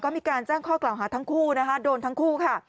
ก็มีการแจ้งข้อกล่าวหาทั้งคู่นะคะโดนทั้งคู่ค่ะ